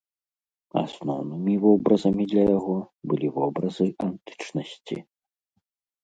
Асноўнымі вобразамі для яго былі вобразы антычнасці.